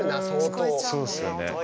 そうですよね。